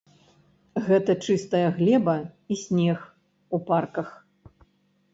Гэта чыстая глеба і снег у парках.